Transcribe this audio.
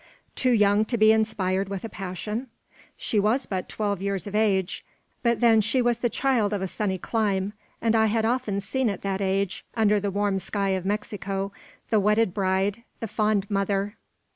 too young to be inspired with a passion? She was but twelve years of age, but then she was the child of a sunny clime; and I had often seen at that age, under the warm sky of Mexico, the wedded bride, the fond mother.